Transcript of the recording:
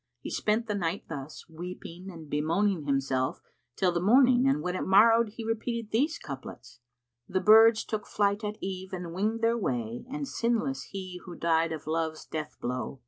He spent the night thus, weeping and bemoaning himself, till the morning, and when it morrowed he repeated these couplets, "The birds took flight at eve and winged their way; * And sinless he who died of Love's death blow.